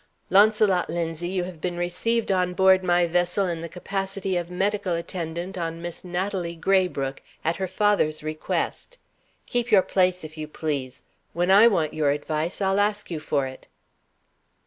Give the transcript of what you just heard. "Launcelot Linzie, you have been received on board my vessel in the capacity of medical attendant on Miss Natalie Graybrooke, at her father's request. Keep your place, if you please. When I want your advice, I'll ask you for it."